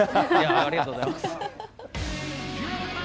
ありがとうございます。